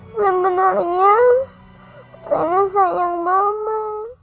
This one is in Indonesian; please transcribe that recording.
sebenarnya saya sayang mama